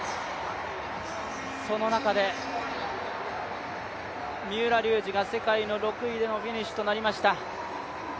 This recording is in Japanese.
その中で三浦龍司が世界の６位でのフィニッシュとなりました。